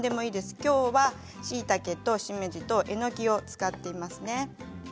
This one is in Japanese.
きょうは、しいたけと、しめじとえのきを使っていますね。